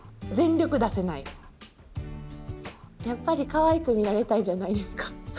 やっぱりかわいく見られたいじゃないですか。